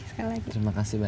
sekali lagi terima kasih mbak